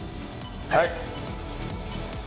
はい！